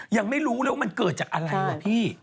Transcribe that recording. ยังไม่รู้เลยว่ามันเกิดจากอะไรวะพี่